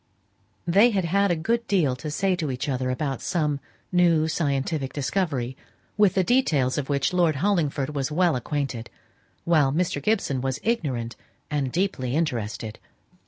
They had had a good deal to say to each other about some new scientific discovery, with the details of which Lord Hollingford was well acquainted, while Mr. Gibson was ignorant and deeply interested.